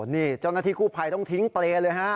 นี่เจ้าหน้าที่กู้ภัยต้องทิ้งเปรย์เลยฮะ